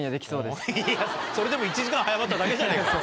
それでも１時間早まっただけじゃねえか。